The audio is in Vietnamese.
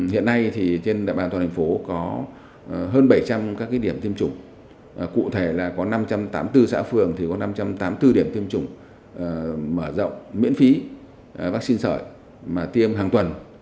hiện nay thì trên đại bàn toàn thành phố có hơn bảy trăm linh các điểm tiêm chủng cụ thể là có năm trăm tám mươi bốn xã phường thì có năm trăm tám mươi bốn điểm tiêm chủng mở rộng miễn phí vaccine sợi mà tiêm hàng tuần